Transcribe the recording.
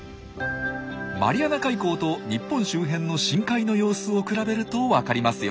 マリアナ海溝と日本周辺の深海の様子を比べると分かりますよ。